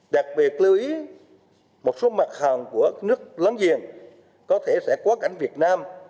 đặc biệt lưu ý một số mặt hàng của nước lớn giềng có thể sẽ quá cảnh việt nam